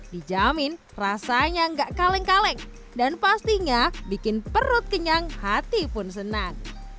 dijamin rasanya nggak kaleng kaleng dan pastinya bikin perut kenyang hati pun senang